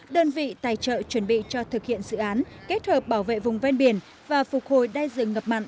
đơn vị tài trợ chuẩn bị cho thực hiện dự án kết hợp bảo vệ vùng ven biển và phục hồi đai rừng ngập mặn